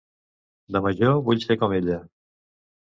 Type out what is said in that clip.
De major vull ser com ella.